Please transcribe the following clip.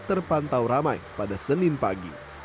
terpantau ramai pada senin pagi